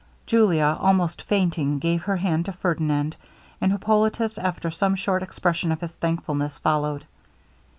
Julia, almost fainting, gave her hand to Ferdinand, and Hippolitus, after some short expression of his thankfulness, followed.